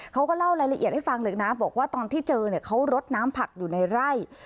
เขาก็เล่ารายละเอียดให้ฟังเลยนะบอกว่าตอนที่เจอเนี่ยเขารดน้ำผักอยู่ในไร่